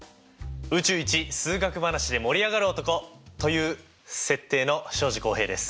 宇宙一数学話で盛り上がる男！という設定の庄司浩平です。